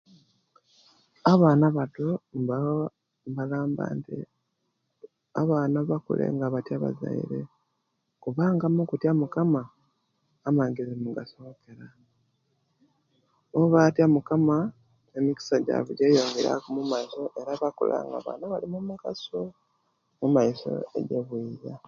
Abaana abato nbalamba nti abaana bakule nga batiya abazaire kubanga mukutiya mukama amagezi mugasokera ebatuya mukama emigisa jabu jeyongera ku omumaiso oba bakula nga baana abalina omugaso omaiso ejibaba